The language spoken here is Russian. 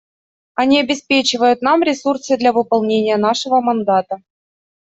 Они обеспечивают нам ресурсы для выполнения нашего мандата.